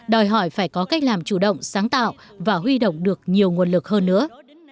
đòi hỏi phải có cách làm chủ động sáng tạo và huy động được nhiều nguồn lực hơn nữa